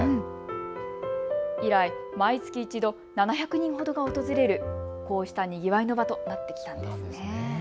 以来、毎月１度、７００人ほどが訪れるこうした、にぎわいの場となってきたんです。